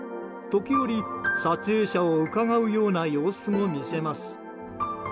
時折、撮影者をうかがうような様子も見せます。